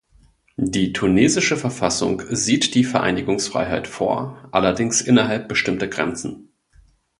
Die tunesische Verfassung sieht die Vereinigungsfreiheit vor, allerdings innerhalb bestimmter Grenzen.